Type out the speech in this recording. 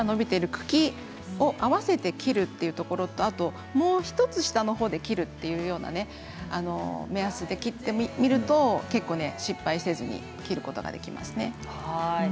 花から伸びている茎を切るということもう１つ下のほうで切るというようなペースで切ると失敗せずに切ることができます。